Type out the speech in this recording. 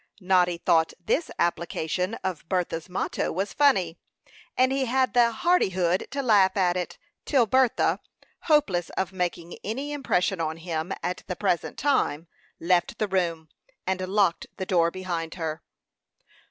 Noddy thought this application of Bertha's motto was funny, and he had the hardihood to laugh at it, till Bertha, hopeless of making any impression on him at the present time, left the room, and locked the door behind her.